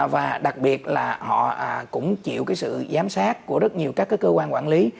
và đặc biệt là họ cũng chịu cái sự giám sát của rất nhiều các cơ quan quản lý